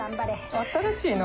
新しいな。